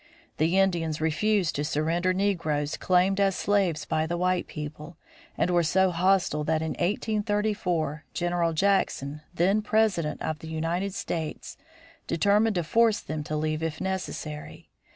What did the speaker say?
The Indians refused to surrender negroes claimed as slaves by the white people, and were so hostile that in 1834 General Jackson, then president of the United States, determined to force them to leave if necessary.